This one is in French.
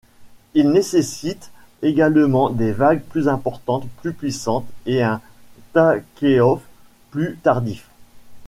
Il nécessite également des vagues plus importantes, plus puissante et un takeoff plus tardif.